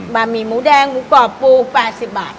หมี่หมูแดงหมูกรอบปู๘๐บาท